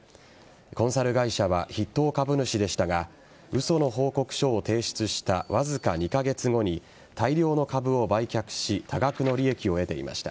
コンサル会社は筆頭株主でしたが嘘の報告書を提出したわずか２カ月後に大量の株を売却し多額の利益を得ていました。